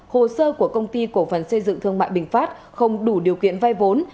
hồ sơ của công ty cổ phần xây dựng thương mại bình phát không đủ điều kiện vay vốn